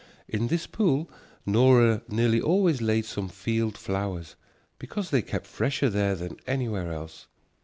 In this pool Nora nearly always laid some field flowers, because they kept fresher there than anywhere else.